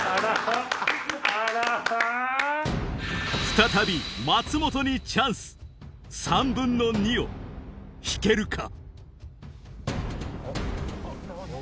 再び松本にチャンス３分の２を引けるか？